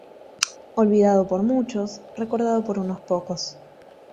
Olvidado por muchos, recordado por unos pocos.